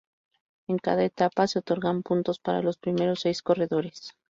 En cada etapa se otorgan puntos para los primeros seis corredores.